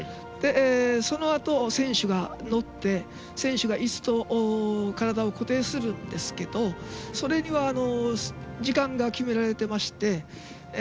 そのあと、選手が乗って選手がいすと体を固定するんですけどそれには時間が決められていまして。